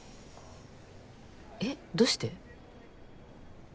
えどうして？